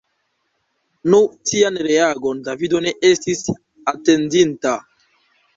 Nu, tian reagon Davido ne estis atendinta.